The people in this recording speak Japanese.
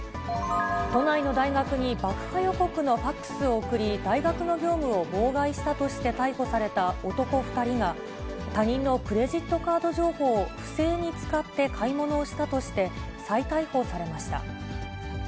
都内の大学に爆破予告のファックスを送り、大学の業務を妨害したとして逮捕された男２人が、他人のクレジットカード情報を不正に使って買い物をしたとして、再逮捕されました。